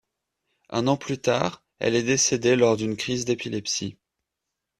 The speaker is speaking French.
Un an plus tard, elle est décédée lors d'une crise d'épilepsie.